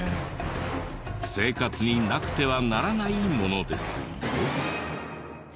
生活になくてはならないものですよ。